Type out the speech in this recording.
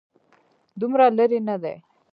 دومره لرې نه دی.